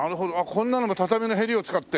こんなのも畳のへりを使って？